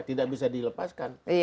tidak bisa dilepaskan